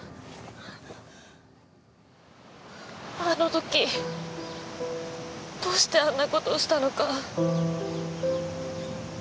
あのときどうしてあんなことをしたのか。